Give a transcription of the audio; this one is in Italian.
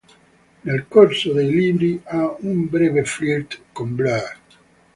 Nel corso dei libri, ha un breve flirt con Blair.